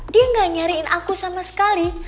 dia nggak nyariin aku sama sekali